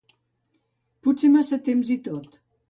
Potser massa temps i tot.